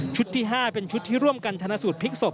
ที่๕เป็นชุดที่ร่วมกันชนะสูตรพลิกศพ